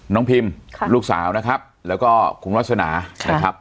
พิมลูกสาวนะครับแล้วก็คุณวาสนานะครับ